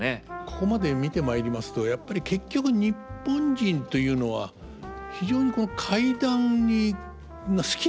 ここまで見てまいりますとやっぱり結局日本人というのは非常にこの怪談が好きなのかなって。